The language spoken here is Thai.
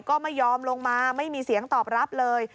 ก็ไม่ยอมลงมาไม่มีเสียงตอบรับเลย